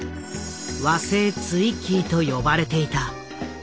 和製ツイッギーと呼ばれていた。